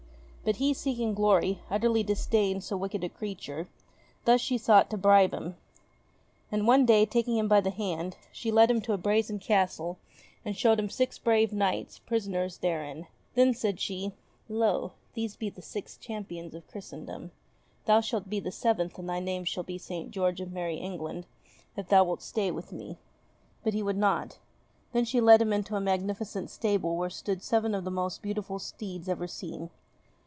But he, seeking glory, utterly disdained so wicked a creature ; thus she sought to bribe him. And one day, taking him by the hand, she led him to a brazen castle and showed him six brave knights, prisoners therein. Then said she : "Lo ! These be the six champions of Christendom. Thou shalt be the seventh and thy name shall be St. George of Merrie England if thou wilt stay with me." But he would not. Then she led him into a magnificent stable where stood seven of the most beautiful steeds ever seen.